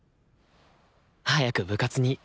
早く部活に。